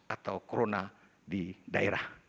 atau corona di daerah